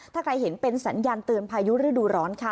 ถ้าใครเห็นเป็นสัญญาณเตือนพายุฤดูร้อนค่ะ